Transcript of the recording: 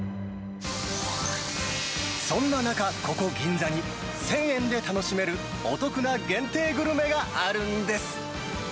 そんな中、ここ、銀座に１０００円で楽しめるお得な限定グルメがあるんです。